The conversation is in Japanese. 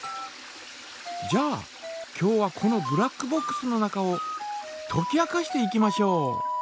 じゃあ今日はこのブラックボックスの中をとき明かしていきましょう。